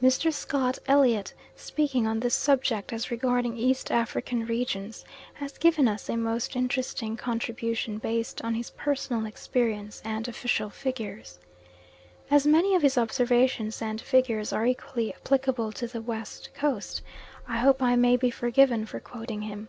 Mr. Scott Elliot, speaking on this subject as regarding East African regions, has given us a most interesting contribution based on his personal experience, and official figures. As many of his observations and figures are equally applicable to the West Coast, I hope I may be forgiven for quoting him.